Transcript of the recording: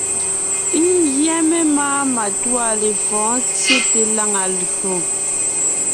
Ńgyɛ́ memáa matûa lefɔ̌ɔn tsyete lǎŋa lÿò.